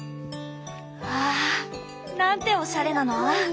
わあなんておしゃれなの！